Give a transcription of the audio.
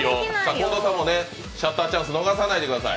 近藤さんもシャッターチャンス逃さないでください。